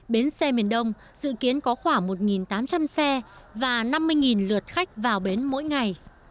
bến xe miền đông dự kiến có khoảng một tám trăm linh xe và năm mươi lượt khách vào bến mỗi ngày